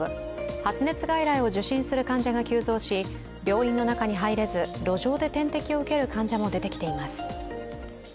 発熱外来を受診する患者が急増し、病院の中に入れず路上で点滴を受ける患者も出てきています。